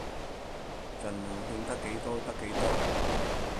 儘量勸得幾多得幾多